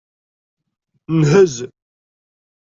Nhez.